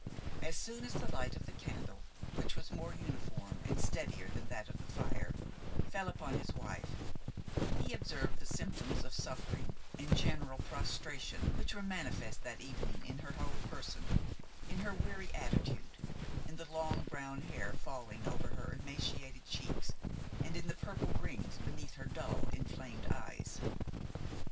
As soon as the light of the candle, which was more uniform and steadier than that of the fire, fell upon his wife, he observed the symptoms of suffering and general prostration which were manifest that evening in her whole person: in her weary attitude, in the long brown hair falling over her emaciated cheeks and in the purple rings beneath her dull, inflamed eyes.